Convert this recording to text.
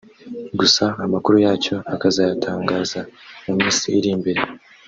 gusa amakuru yacyo akazayatangaza mu minsi iri imbere